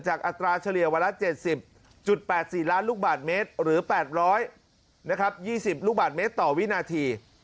อัตราเฉลี่ยวันละ๗๐๘๔ล้านลูกบาทเมตรหรือ๘๒๐ลูกบาทเมตรต่อวินาที